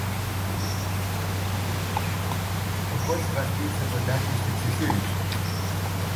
Ο κότσυφας πήδηξε κοντά της και ψιθύρισε